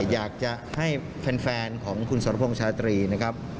อยากจะให้แฟนของคุณสรพงษ์ชาตรีนะครับ